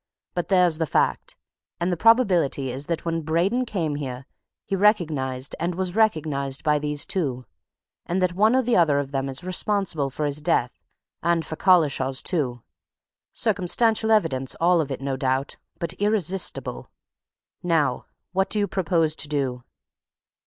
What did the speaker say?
But there's the fact. And the probability is that when Braden came here he recognized and was recognized by these two, and that one or other of them is responsible for his death and for Collishaw's too. Circumstantial evidence, all of it, no doubt, but irresistible! Now, what do you propose to do?"